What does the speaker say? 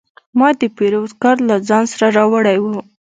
ما د پیرود کارت له ځان سره راوړی و.